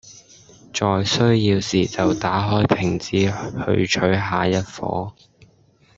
在需要時就打開瓶子去取下一夥